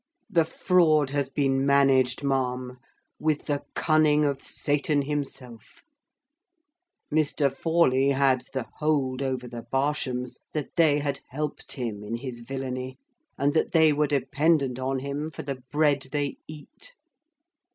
The fraud has been managed, ma'am, with the cunning of Satan himself. Mr. Forley had the hold over the Barshams, that they had helped him in his villany, and that they were dependent on him for the bread they eat.